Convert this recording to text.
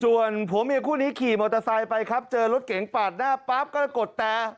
ส่วนผัวเมียคู่นี้ขี่มอเตอร์ไซค์ไปครับเจอรถเก๋งปาดหน้าปั๊บก็กดแต่